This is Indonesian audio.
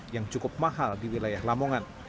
yang cukup mahal di wilayah lamongan